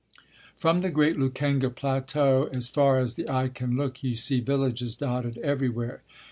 From the great Lukenga plateau as far as the eye can look you see villages dotted everywhere.